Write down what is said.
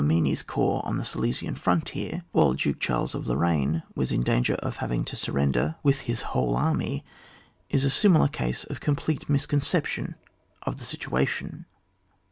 209 mini's corps on the Silesian frontier while Duke Charles of Lorraine was in danger of haying to surrender with his whole army, is a similar case of complete misconception of the situation.